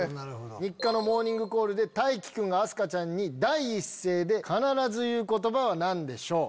日課のモーニングコールでたいき君があすかちゃんに第一声で言う言葉は何でしょう？